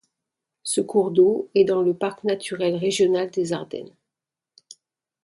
Ce cours d'eau est dans le parc naturel régional des Ardennes.